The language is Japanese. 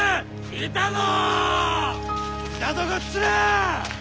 いたぞこっちだ！